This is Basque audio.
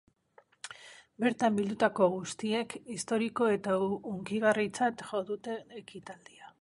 Bertan bildutako guztiek historiko eta hunkigarritzat jo dute ekitaldia.